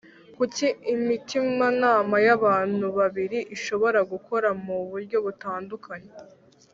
Kuki imitimanama y’ abantu babiri ishobora gukora mu buryo butandukanye